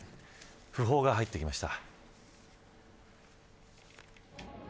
訃報が入ってきました。